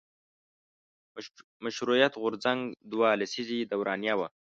مشروطیت غورځنګ دوه لسیزې دورانیه وه.